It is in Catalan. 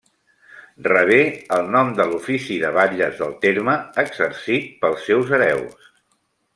Rebé el nom de l'ofici de batlles del terme exercit pels seus hereus.